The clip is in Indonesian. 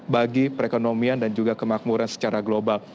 bagi perekonomian dan juga kemakmuran secara global